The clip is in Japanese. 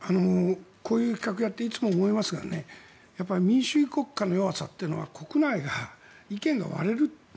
こういう企画やっていつも思いますが民主主義国家の弱さは国内で意見が割れる。